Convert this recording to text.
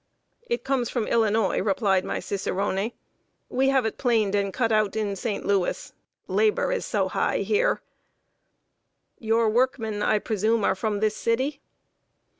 "It comes from Illinois," replied my cicerone. "We have it planed and cut out in St. Louis labor is so high here." "Your workmen, I presume, are from this city?"